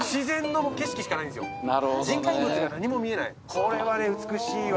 これはね美しいわ。